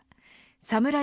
サムライ